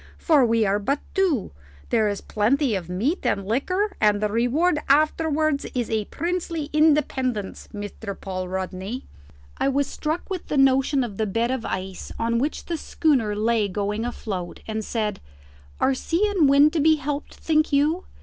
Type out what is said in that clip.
for we are but two there is plenty of meat and liquor and the reward afterwards is a princely independence, Mr. Paul Rodney." I was struck with the notion of the bed of ice on which the schooner lay going afloat, and said, "Are sea and wind to be helped, think you?